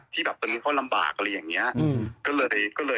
ที่ตอนนี้เขาลำบาก